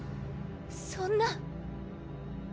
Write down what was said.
そんな。